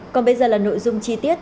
còn bây giờ là nội dung chi tiết